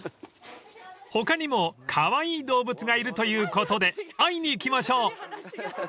［他にもカワイイ動物がいるということで会いに行きましょう！］